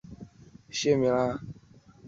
南朝官员。